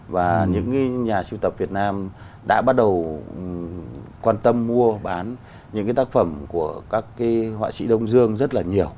và những nhà sưu tập việt nam đã bắt đầu quan tâm mua bán những cái tác phẩm của các họa sĩ đông dương rất là nhiều